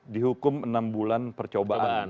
dihukum enam bulan percobaan